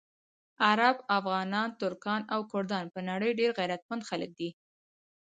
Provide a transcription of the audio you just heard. عرب، افغانان، ترکان او کردان په نړۍ ډېر غیرتمند خلک دي.